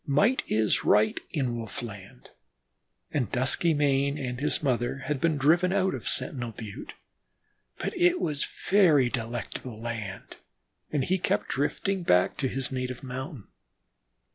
Might is right in wolf land, and Duskymane and his mother had been driven out of Sentinel Butte. But it was a very delectable land and he kept drifting back to his native mountain.